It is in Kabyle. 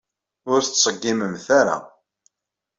Ur tettṣeggimemt ara.